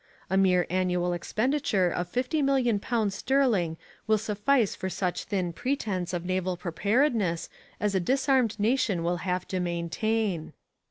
A mere annual expenditure of fifty million pounds sterling will suffice for such thin pretence of naval preparedness as a disarmed nation will have to maintain.